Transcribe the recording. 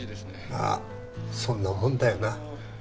まあそんなもんだよな